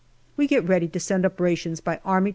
We get ready to send up rations by A.